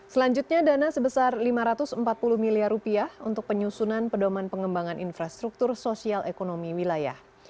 selanjutnya dana sebesar lima ratus empat puluh miliar rupiah untuk penyusunan pedoman pengembangan infrastruktur sosial ekonomi wilayah